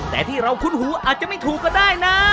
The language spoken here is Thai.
แต่ที่เราคุ้นหูอาจจะไม่ถูกก็ได้นะ